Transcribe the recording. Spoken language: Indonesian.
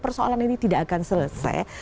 persoalan ini tidak akan selesai